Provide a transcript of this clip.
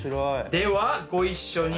ではご一緒に。